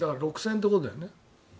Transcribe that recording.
６０００円ということだよね。